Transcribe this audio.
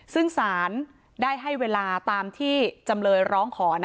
ซึ่งสารได้ให้เวลาตามที่จำเลยร้องขอ